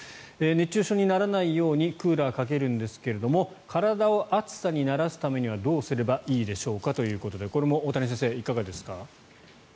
熱中症にならないようにクーラーをかけるんですけども体を暑さに慣らすためにはどうすればいいでしょうかということでこれも大谷先生、いかがですか。